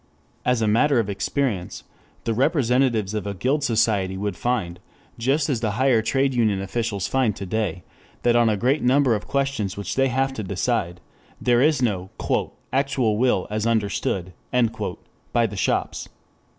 As a matter of experience, the representatives of a guild society would find, just as the higher trade union officials find today, that on a great number of questions which they have to decide there is no "actual will as understood" by the shops.